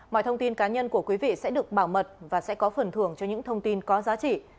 mọi thông tin cá nhân của quý vị sẽ được bảo mật và sẽ có phần thưởng cho những thông tin có giá trị